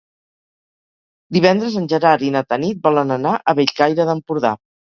Divendres en Gerard i na Tanit volen anar a Bellcaire d'Empordà.